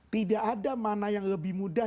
tidak ada mana yang lebih mudah